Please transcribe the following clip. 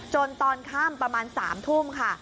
จนตอนข้ามประมาณ๓ทุ่มค่ะ